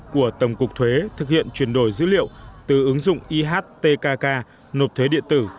của tổng cục thuế thực hiện chuyển đổi dữ liệu từ ứng dụng ihtk nộp thuế điện tử